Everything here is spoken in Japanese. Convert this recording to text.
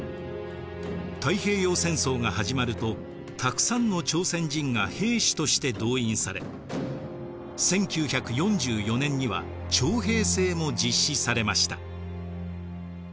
太平洋戦争が始まるとたくさんの朝鮮人が兵士として動員され１９４４年には徴兵制も実施されました。